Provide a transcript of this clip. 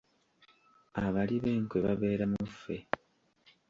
Abali b'enkwe babeera mu ffe.